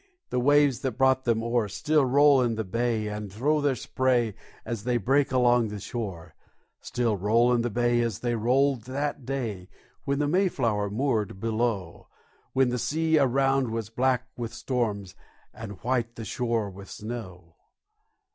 The waves that brought them o'er Still roll in the bay, and throw their spray As they break along the shore; Still roll in the bay, as they rolled that day When the Mayflower moored below; When the sea around was black with storms, And white the shore with snow.